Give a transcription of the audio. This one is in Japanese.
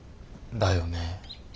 だよね。